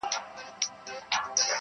• پر محراب به مي د زړه هغه امام وي..